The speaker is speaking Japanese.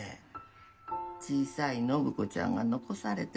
小さい展子ちゃんが残されてなあ。